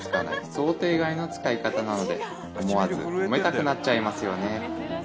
想定外の使い方なので思わず褒めたくなっちゃいますよね